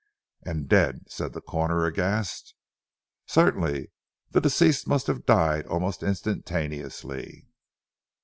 "And dead!" said the Coroner aghast. "Certainly. The deceased must have died almost instantaneously."